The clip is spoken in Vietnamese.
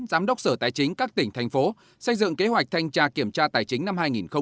giám đốc sở tài chính các tỉnh thành phố xây dựng kế hoạch thanh tra kiểm tra tài chính năm hai nghìn hai mươi